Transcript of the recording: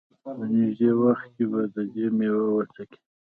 په نېږدې وخت کې به د دې مېوه وڅکي.